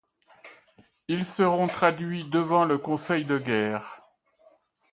Ils seront traduits devant le Conseil de Guerre.